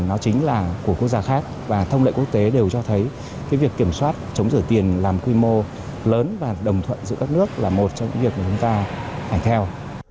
nó chính là của quốc gia khác và thông lệ quốc tế đều cho thấy việc kiểm soát chống rửa tiền làm quy mô lớn và đồng thuận giữa các nước là một trong những việc mà chúng ta hành theo